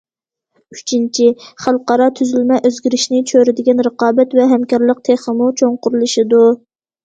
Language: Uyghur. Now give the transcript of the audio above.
ئۈچىنچى، خەلقئارا تۈزۈلمە ئۆزگىرىشىنى چۆرىدىگەن رىقابەت ۋە ھەمكارلىق تېخىمۇ چوڭقۇرلىشىدۇ.